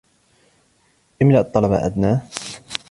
املأ الطلب أدناه.